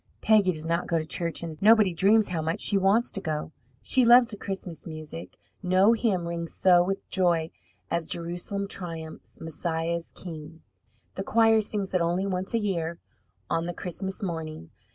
Peggy does not go to church, and nobody dreams how much she wants to go. She loves the Christmas music. No hymn rings so with joy as: Jerusalem triumphs, Messiah is king. The choir sings it only once a year, on the Christmas morning.